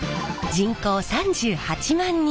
人口３８万人。